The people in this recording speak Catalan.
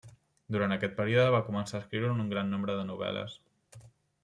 Durant aquest període va començar a escriure un gran nombre de novel·les.